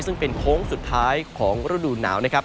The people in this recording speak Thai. ซึ่งเป็นโค้งสุดท้ายของฤดูหนาวนะครับ